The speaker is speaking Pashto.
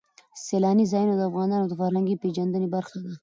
سیلاني ځایونه د افغانانو د فرهنګي پیژندنې برخه ده.